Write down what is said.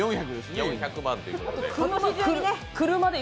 ４００万ということで。